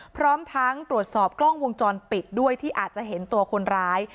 พร้อมทั้งตรวจสอบกล้องวงจรปิดด้วยที่อาจจะเห็นตัวคนร้าย